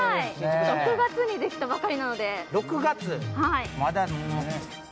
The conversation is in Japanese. ６月にできたばかりなので。